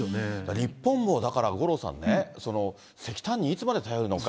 日本もだから、五郎さんね、石炭にいつまで頼るのか。